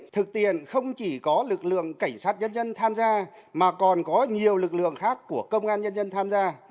thực tiền không chỉ có lực lượng cảnh sát nhân dân tham gia mà còn có nhiều lực lượng khác của công an nhân dân tham gia